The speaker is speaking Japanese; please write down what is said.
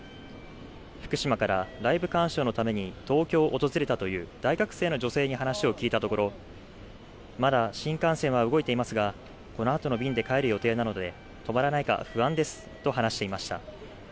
福島からライブ鑑賞のために東京を訪れたという大学生の女性に話を聞いたところ、まだ新幹線は動いていますがこのあとの便で帰る予定なので止まらないか不安ですと話していました。